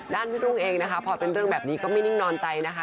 พี่รุ่งเองนะคะพอเป็นเรื่องแบบนี้ก็ไม่นิ่งนอนใจนะคะ